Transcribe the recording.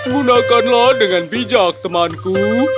gunakanlah dengan bijak temanku